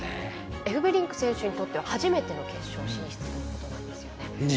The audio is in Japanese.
エフベリンク選手にとって初めての決勝進出ということなんですよね。